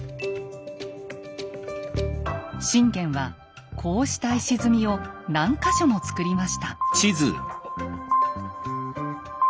信玄はこうした石積みを何か所も造りました。